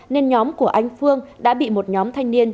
nên nhóm của anh phương đã bị một nhóm thanh niên